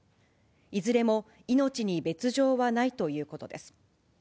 いずれも命に別状はないということです。